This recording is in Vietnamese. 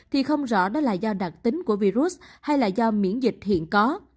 thì không rõ đó là do đặc tính của virus hay là do miễn dịch hiện có